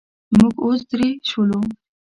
موږ اوس درې شولو.